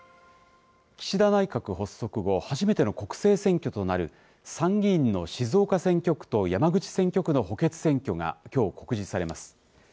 岸田内閣発足後初めての国政選挙となる参議院の静岡選挙区と山口選挙区の補欠選挙が、きょう告示されます。